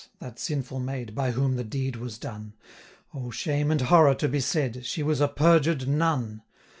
that sinful maid, By whom the deed was done, Oh! shame and horror to be said! She was a perjured nun!